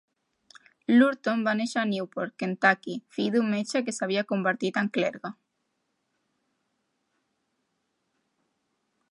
Lurton va néixer a Newport, Kentucky, fill d'un metge que s'havia convertit en clergue.